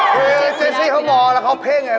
เฮ้ยเจซซี่เขาบอกแล้วเขาเพ่งไง